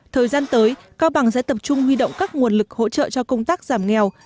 thời gian tới cao bằng sẽ tập trung huy động các nguồn lực hỗ trợ cho công tác giảm nghèo